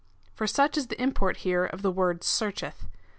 For such is the import here of the word searcheth.